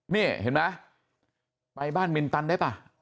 นี่เห็นไหมไปบ้านมินตันได้ป่ะ